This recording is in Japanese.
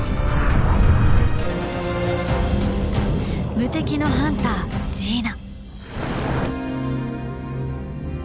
無敵のハンタージーナ。